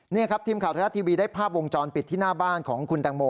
นี่ครับทีมข่าวไทยรัฐทีวีได้ภาพวงจรปิดที่หน้าบ้านของคุณแตงโม